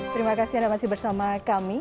terima kasih anda masih bersama kami